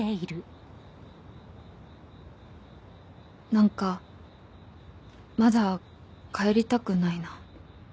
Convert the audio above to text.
何かまだ帰りたくないな